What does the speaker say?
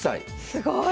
すごい！